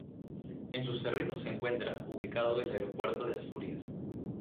En sus terrenos se encuentra ubicado el Aeropuerto de Asturias.